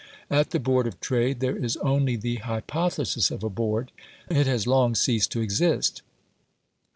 At the Board of Trade there is only the hypothesis of a Board; it has long ceased to exist.